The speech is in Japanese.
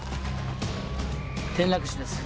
転落死です。